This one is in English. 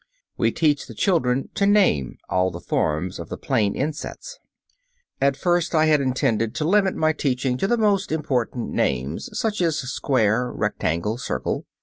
We teach the children to name all the forms of the plane insets. At first I had intended to limit my teaching to the most important names, such as square, rectangle, circle.